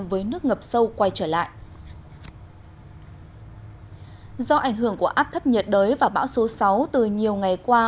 với nước ngập sâu quay trở lại do ảnh hưởng của áp thấp nhiệt đới và bão số sáu từ nhiều ngày qua